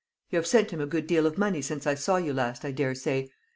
You have sent him a good deal of money since I saw you last, I daresay?